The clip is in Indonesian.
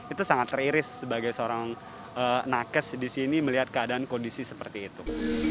itu sangat teriris sebagai seorang nakes di sini melihat keadaan kondisi seperti itu